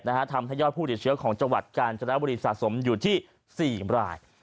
ทำให้ยอดผู้ติดเชื้อของจังหวัดกาญจนบุรีสะสมอยู่ที่๔ราย